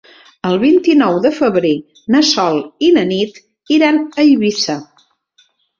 El vint-i-nou de febrer na Sol i na Nit iran a Eivissa.